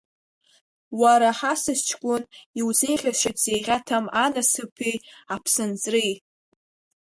Уара ҳасас ҷкәын иузеиӷьасшьоит зеиӷьаҭам анасыԥи аԥсынҵри…